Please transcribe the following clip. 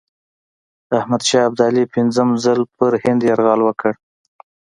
احمدشاه ابدالي پنځم ځل پر هند یرغل وکړ.